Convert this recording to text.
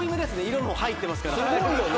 色も入ってますから。